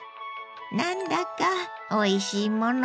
何だかおいしいもの